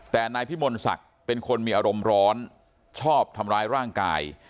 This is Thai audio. แต่นายพิมลศักดิ์เป็นคนมีอารมณ์ร้อนชอบทำร้ายร่างกาย